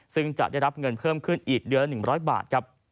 ซึ่งจะได้รับเงินเพิ่มขึ้นอีกเดือนละ๑๐๐บาทครับ